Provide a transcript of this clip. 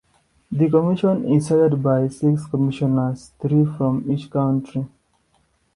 The Commission is headed by six commissioners, three from each country.